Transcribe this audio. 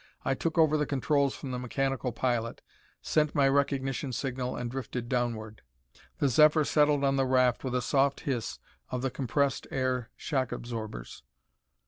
I took over the controls from the mechanical pilot, sent my recognition signal and drifted downward. The Zephyr settled on the raft with a soft hiss of the compressed air shock absorbers.